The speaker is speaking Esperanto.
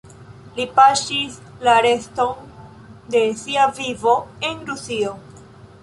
Li paŝis la reston de sia vivo en Rusio.